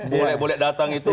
boleh boleh datang itu